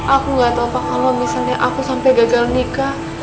aku gak tau apa kalau misalnya aku sampai gagal nikah